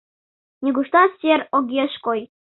Нигуштат сер огеш кой.